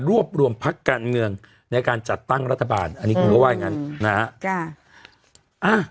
รวบรวมพักการเมืองในการจัดตั้งรัฐบาลอันนี้คุณก็ว่าอย่างนั้นนะฮะ